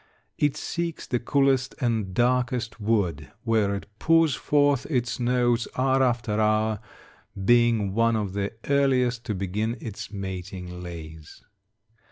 It seeks the coolest and darkest wood, where it pours forth its notes hour after hour, being one of the earliest to begin its mating lays.